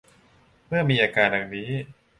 เมื่อมีอาการดังนี้